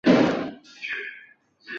设有月台幕门。